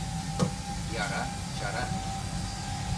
Яра, чара.